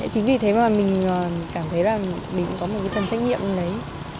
chính vì thế mà mình cảm thấy là mình cũng có một phần trách nhiệm lấy